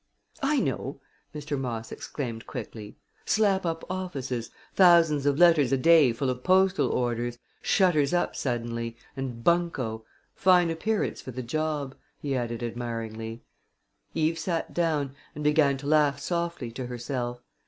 "I know!" Mr. Moss exclaimed quickly. "Slap up offices; thousands of letters a day full of postal orders; shutters up suddenly and bunco! Fine appearance for the job!" he added admiringly. Eve sat down and began to laugh softly to herself.